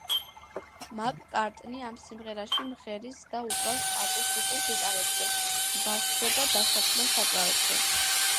მაკ-კარტნი ამ სიმღერაში მღერის და უკრავს აკუსტიკურ გიტარაზე, ბასზე და დასარტყმელ საკრავებზე.